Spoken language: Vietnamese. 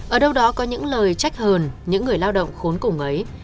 ở đâu đó có những lời trách hờn những người lao động khốn cùng ấy